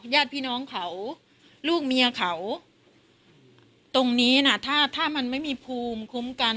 ญาติพี่น้องเขาลูกเมียเขาตรงนี้น่ะถ้าถ้ามันไม่มีภูมิคุ้มกัน